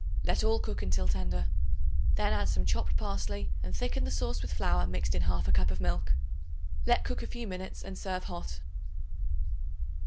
Let all cook until tender. Then add some chopped parsley and thicken the sauce with flour, mixed in 1/2 cup of milk. Let cook a few minutes and serve hot.